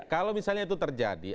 kalau misalnya itu terjadi